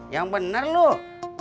yang bener loh